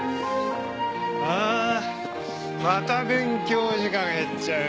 ああまた勉強時間減っちゃうよ。